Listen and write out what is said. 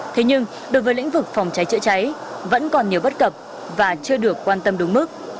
thế nhưng đối với lĩnh vực phòng cháy chữa cháy vẫn còn nhiều bất cập và chưa được quan tâm đúng mức